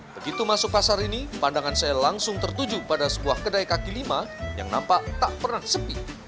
begitu masuk pasar ini pandangan saya langsung tertuju pada sebuah kedai kaki lima yang nampak tak pernah sepi